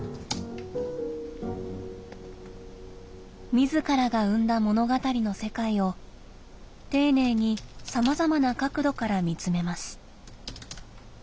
自らが生んだ物語の世界を丁寧にさまざまな角度から見つめます。